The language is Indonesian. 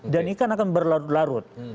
dan ini kan akan berlarut larut